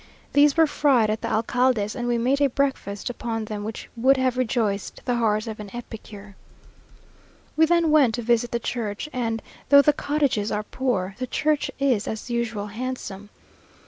These were fried at the alcalde's and we made a breakfast upon them which would have rejoiced the heart of an epicure. We then went to visit the church; and, though the cottages are poor, the church is, as usual, handsome.